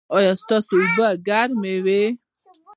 ایا ستاسو اوبه به ګرمې وي؟